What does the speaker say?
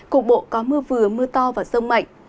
cục bộ có mưa vừa mưa to và rông mạnh